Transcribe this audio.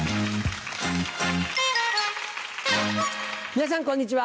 皆さんこんにちは。